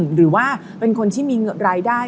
หรือว่าเป็นคนที่มีรายได้